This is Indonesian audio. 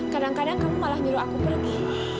kadang kadang kamu malah nyuruh aku pergi